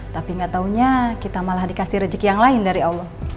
tapi gak taunya kita malah dikasih rezeki yang lain dari allah